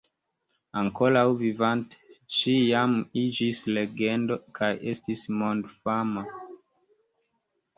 Ankoraŭ vivante ŝi jam iĝis legendo kaj estis mondfama.